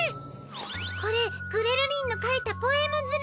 これグレるりんの書いたポエムズラ！